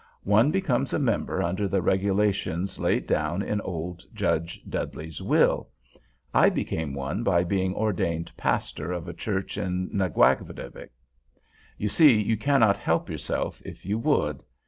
One becomes a member under the regulations laid down in old Judge Dudley's will. I became one by being ordained pastor of a church in Naguadavick. You see you cannot help yourself, if you would.